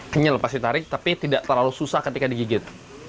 kenyal pasti tarik tapi tidak terlalu susah ketika digigit